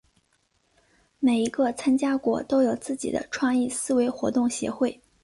每一个参加国都有自己的创意思维活动协会。